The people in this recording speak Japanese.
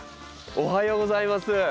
おはようございます。